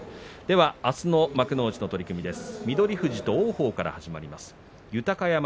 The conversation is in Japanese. あすの幕内の取組です。